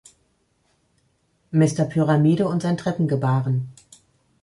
Mister Pyramide und sein Treppengebaren.